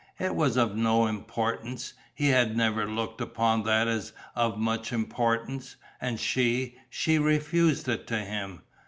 It was of no importance: he had never looked upon that as of much importance. And she, she refused it to him!